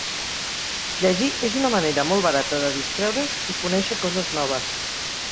Llegir és una manera molt barata de distreure’s i conèixer coses noves.